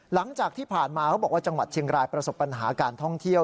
หลังจากที่ผ่านมาเขาบอกว่าจังหวัดเชียงรายประสบปัญหาการท่องเที่ยว